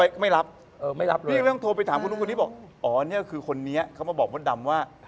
ใครเห็นมดดำ